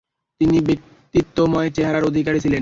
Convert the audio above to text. তিনি ব্যক্তিত্বময় চেহারার অধিকারী ছিলেন।